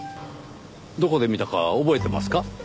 どこで見たか覚えていますか？